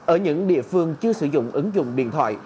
ở những địa phương chưa sử dụng ứng dụng điện thoại